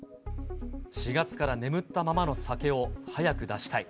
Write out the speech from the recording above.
４月から眠ったままの酒を早く出したい。